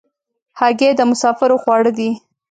هګۍ د مسافرو خواړه دي.